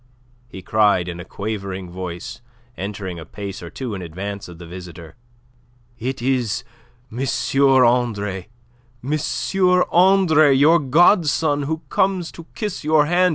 he cried in a quavering voice, entering a pace or two in advance of the visitor. "It is M. Andre... M. Andre, your godson, who comes to kiss your hand.